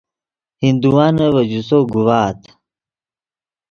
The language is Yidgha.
ہندوانے ڤے جوسو گوڤآت